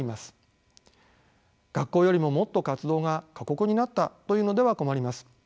学校よりももっと活動が過酷になったというのでは困ります。